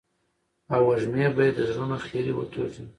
او وږمې به يې د زړونو خيري وتوږي.